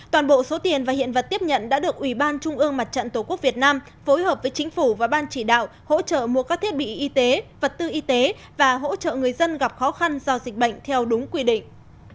toàn bộ số tiền và hiện vật tiếp nhận đã được ủy ban trung ương mặt trận tổ quốc việt nam phối hợp với chính phủ và ban chỉ đạo hỗ trợ mua các thiết bị y tế vật tư y tế và hỗ trợ người dân gặp khó khăn do dịch bệnh theo đúng quy định